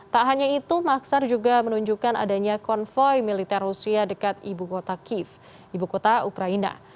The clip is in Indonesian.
tak hanya itu maksar juga menunjukkan adanya konvoy militer rusia dekat ibu kota kiev ibu kota ukraina